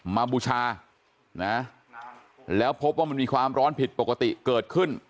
บูชานะแล้วพบว่ามันมีความร้อนผิดปกติเกิดขึ้น